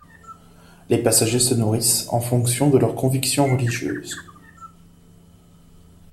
Les passagers se nourrissent en fonction de leurs convictions religieuses.